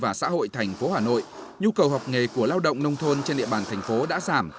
và xã hội thành phố hà nội nhu cầu học nghề của lao động nông thôn trên địa bàn thành phố đã giảm